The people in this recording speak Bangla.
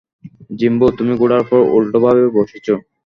জিম্বো, তুমি ঘোড়ার উপর উল্টোভাবে বসেছো।